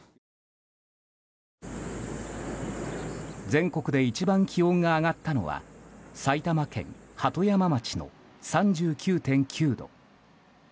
全国で一番気温が上がったのは埼玉県鳩山町の３９．９度。